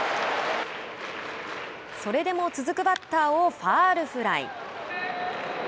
それでも続くバッターをファウルフライ。